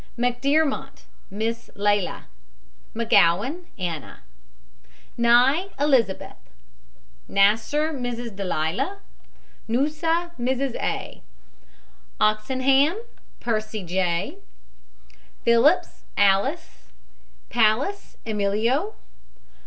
McDEARMONT, MISS LELA. McGOWAN, ANNA. NYE, ELIZABETH. NASSER, MRS. DELIA. NUSSA, MRS. A. OXENHAM, PERCY J. PHILLIPS, ALICE. PALLAS, EMILIO.